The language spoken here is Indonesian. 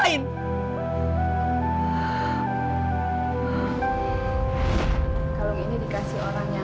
kalung ini dikasih orang yang pernah saya cintai